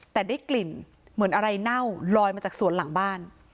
แต่ได้กลิ่นเหมือนอะไรเน่าลอยมาจากสวนหลังบ้าน